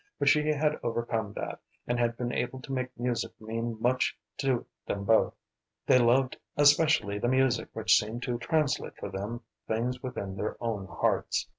But she had overcome that, and had been able to make music mean much to them both. They loved especially the music which seemed to translate for them things within their own hearts.